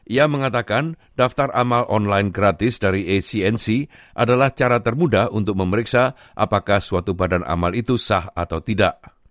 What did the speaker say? ia mengatakan daftar amal online gratis dari acmc adalah cara termudah untuk memeriksa apakah suatu badan amal itu sah atau tidak